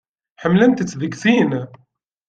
Ḥemmlent-tent deg sin.